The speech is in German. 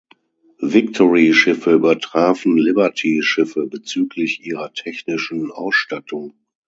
Victory-Schiffe übertrafen Liberty-Schiffe bezüglich ihrer technischen Ausstattung.